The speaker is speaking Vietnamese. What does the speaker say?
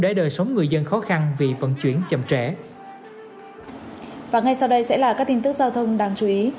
đây sẽ là các tin tức giao thông đáng chú ý